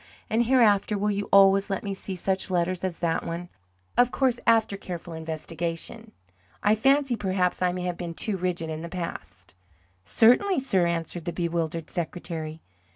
And hereafter will you always let me see such letters as that one of course after careful investigation? I fancy perhaps I may have been too rigid in the past." "Certainly, sir," answered the bewildered secretary.